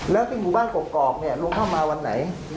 แล้วที่หมู่บ้านกรอกเนี่ยลุงเข้ามาวันไหน